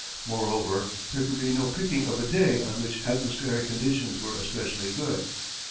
Moreover there could be no picking of a day on which atmospheric conditions were especially good.